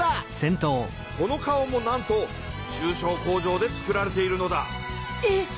この顔もなんと中小工場で作られているのだえっ！